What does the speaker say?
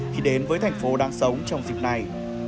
khi đến với thành phố đang sống trong dịp này